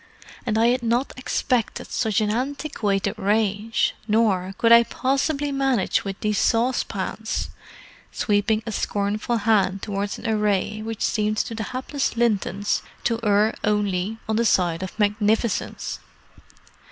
"And I had not expected such an antiquated range. Nor could I possibly manage with these saucepans"—sweeping a scornful hand towards an array which seemed to the hapless Lintons to err only on the side of magnificence.